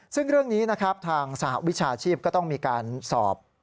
ซึ่งเรื่องนี้นะครับทางสหวิชาชีพก็ต้องมีการสอบ